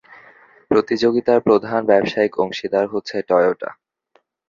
প্রতিযোগিতার প্রধান ব্যবসায়িক অংশীদার হচ্ছে টয়োটা।